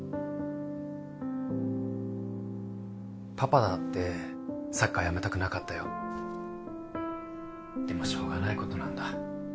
パパだってサッカーやめたくなかったよでもしょうがないことなんだ